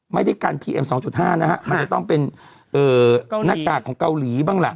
ไม่ได้กันพีเอ็มสองจุดห้านะฮะมันจะต้องเป็นเอ่อนักกากของเกาหลีบ้างล่ะ